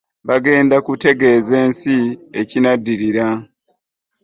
Bagenda kutegeeza ensi ekinaddirira.